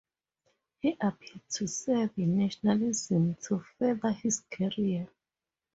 He appealed to Serb nationalism to further his career.